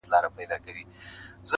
پاچا مخكي ورپسې سل نوكران وه-